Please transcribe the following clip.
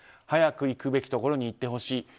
早く行くべきところに行ってほしい。